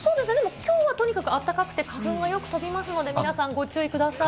きょうはあったかくて、花粉がよく飛びますので、皆さん、ご注意ください。